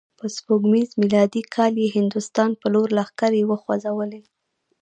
په سپوږمیز میلادي کال یې هندوستان په لور لښکرې وخوزولې.